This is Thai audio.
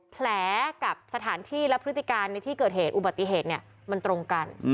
แผลกับสถานที่และพฤติการในที่เกิดเหตุอุบัติเหตุมันตรงกัน